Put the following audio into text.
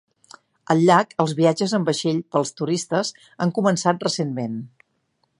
Al llac, els viatges en vaixell per als turistes han començat recentment.